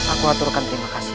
aku aturkan terima kasih